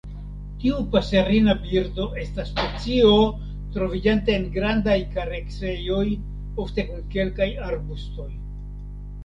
Tiu paserina birdo estas specio troviĝanta en grandaj kareksejoj, ofte kun kelkaj arbustoj.